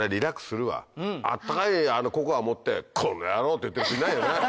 温かいココア持って「この野郎！」って言ってる人いないよね。